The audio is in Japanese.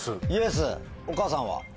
お母さんは？